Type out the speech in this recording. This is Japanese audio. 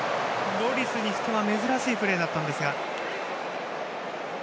ロリスにしては珍しいプレーだったんですが。